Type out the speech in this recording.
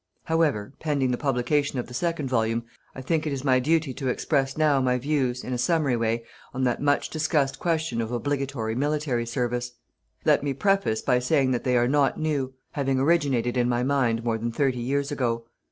However, pending the publication of the second volume, I think it is my duty to express now my views, in a summary way, on that much discussed question of obligatory military service. Let me preface by saying that they are not new, having originated in my mind more than thirty years ago.